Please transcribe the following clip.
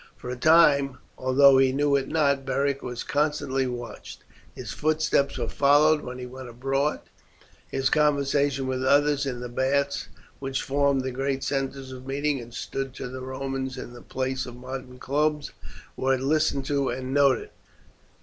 For a time, although he knew it not, Beric was constantly watched. His footsteps were followed when he went abroad, his conversations with others in the baths, which formed the great centres of meeting, and stood to the Romans in the place of modern clubs, were listened to and noted.